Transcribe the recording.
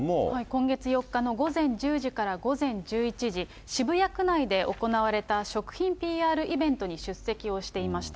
今月４日の午前１０時から午前１１時、渋谷区内で行われた食品ＰＲイベントに出席をしていました。